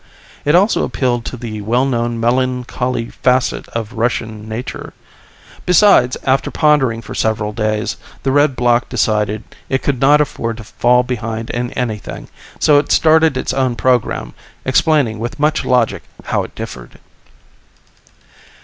It also appealed to the well known melancholy facet of Russian nature. Besides, after pondering for several days, the Red Bloc decided it could not afford to fall behind in anything, so it started its own program, explaining with much logic how it differed.